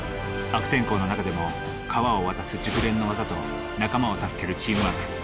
悪天候の中でも川を渡す熟練の技と仲間を助けるチームワーク。